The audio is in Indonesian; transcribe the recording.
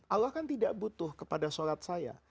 allah kan tidak butuh kepada sholat saya